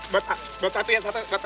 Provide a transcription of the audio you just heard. bah buat hati ya satu